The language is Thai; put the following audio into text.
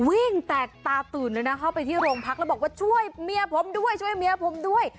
วิ่งแตกตาตื่นเลยนะเข้าไปที่โรงพักแล้วบอกว่าช่วยเมียผมด้วยช่วยเมียผมด้วย